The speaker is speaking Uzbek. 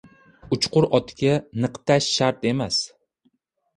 • Uchqur otga niqtash shart emas.